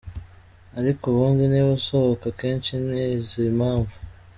Ariko ubundi niba asohoka kenshi ni izi mpamvu;.